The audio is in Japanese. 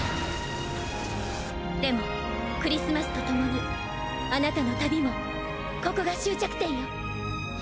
でもクリスマスとともにあなたの旅もここが終着点よ。